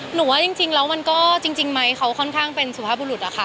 ว่าจริงแล้วมันก็จริงไม้เขาค่อนข้างเป็นสุภาพบุรุษอะค่ะ